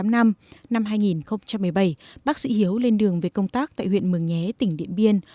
năm hai nghìn một mươi bảy bác sĩ hiếu lên đường về công tác tại huyện mường nhé tỉnh điện biên